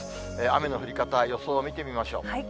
雨の降り方、予想を見てみましょう。